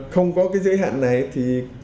không có cái giới hạn này thì